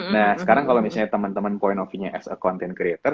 nah sekarang kalo misalnya temen temen point of view nya as a content creator